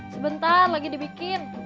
sebentar lagi dibikin